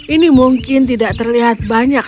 ini mungkin tidak terlihat banyak